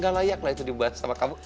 gak layak lah itu dibuat sama kamu